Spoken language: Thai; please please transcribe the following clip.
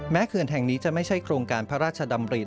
เขื่อนแห่งนี้จะไม่ใช่โครงการพระราชดำริ